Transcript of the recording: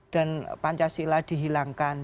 dan pancasila dihilangkan